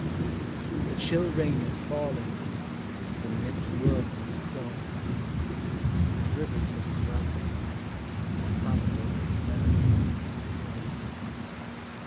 The chill rain is falling, the nipt worm is crawl ing, The rivers are swelling, the thunder is knelling For the year; TEE SEASONS.